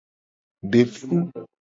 De fu.